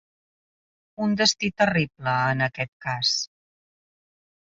Un destí terrible, en aquest cas.